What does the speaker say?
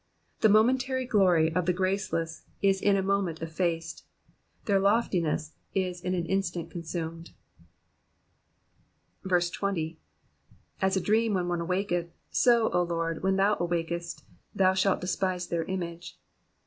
The momentary glory of the graceless is in a moment effaced, their loftiness is in an instant consumed. 20. ^* a dream when one awaketh; so, 0 Lord, when thou awakestj thou shall despise their image.